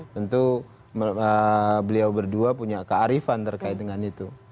tentu beliau berdua punya kearifan terkait dengan itu